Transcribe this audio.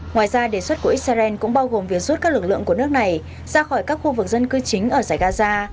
ngoài ra đề xuất của israel cũng bao gồm việc rút các lực lượng của nước này ra khỏi các khu vực dân cư chính ở giải gaza